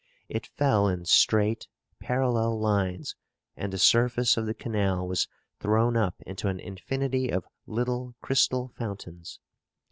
It fell in straight, parallel lines; and the surface of the canal was thrown up into an infinity of little crystal fountains.